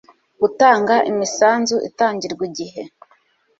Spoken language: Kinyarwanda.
gutanga imisanzu itangirwa igihe